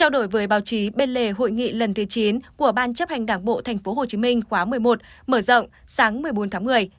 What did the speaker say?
đổi với báo chí bên lề hội nghị lần thứ chín của ban chấp hành đảng bộ tp hcm khóa một mươi một mở rộng sáng một mươi bốn tháng một mươi